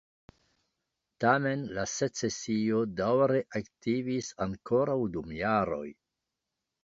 Tamen la Secesio daŭre aktivis ankoraŭ dum du jaroj.